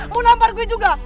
mau nampar gue juga